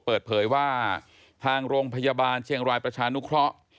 เปิดเผยว่าทางโรงพยาบาลเชียงรายประชานุเคราะห์